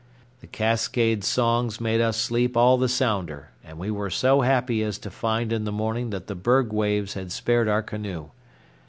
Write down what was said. The cascade songs made us sleep all the sounder, and we were so happy as to find in the morning that the berg waves had spared our canoe.